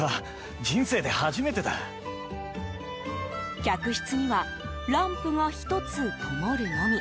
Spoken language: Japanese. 客室にはランプが１つともるのみ。